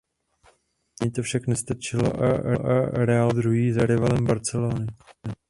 Ani to však nestačilo a Real skončil druhý za rivalem z Barcelony.